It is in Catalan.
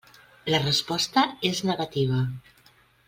La resposta és negativa.